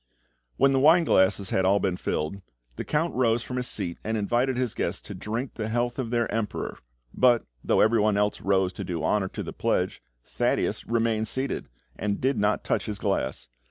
When the wine glasses had all been filled, the Count rose from his seat and invited his guests to drink the health of their Emperor; but, though everyone else rose to do honour to the pledge, Thaddeus remained seated, and did not touch his glass.